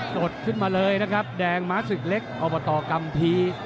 สดขึ้นมาเลยนะครับแดงม้าศึกเล็กอบตกัมภีร์